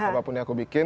apapun yang aku bikin